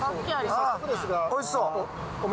おいしそう。